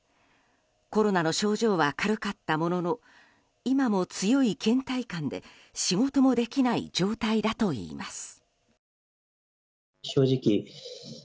コロナの症状は軽かったものの今も強い倦怠感で仕事もできない状態だといいます。